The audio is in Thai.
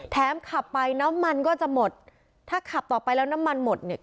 ขับไปน้ำมันก็จะหมดถ้าขับต่อไปแล้วน้ำมันหมดเนี่ย